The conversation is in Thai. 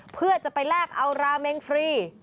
เพื่อจะไปแลกเอาราเมงฟรี